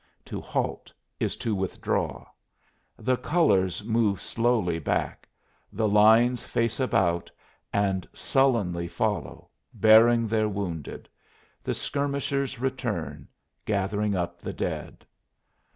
To halt is to withdraw. The colors move slowly back; the lines face about and sullenly follow, bearing their wounded; the skirmishers return, gathering up the dead.